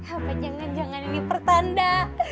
apa jangan jangan ini pertanda